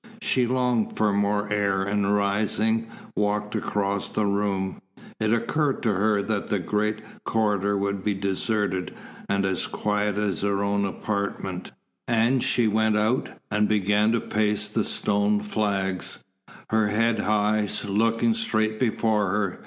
She longed for more air and, rising, walked across the room. It occurred to her that the great corridor would be deserted and as quiet as her own apartment, and she went out and began to pace the stone flags, her head high, looking straight before her.